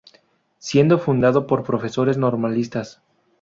Siendo fundado por profesores normalistas.